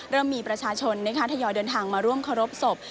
เริ่มมีประชาชนทยอยเดินทางมาร่วมเคารพศพ